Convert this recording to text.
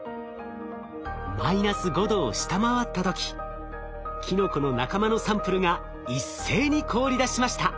マイナス５℃を下回った時キノコの仲間のサンプルが一斉に凍りだしました。